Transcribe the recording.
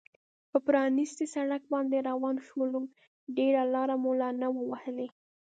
پر پرانیستي سړک باندې روان شولو، ډېره لار مو لا نه وه وهلې.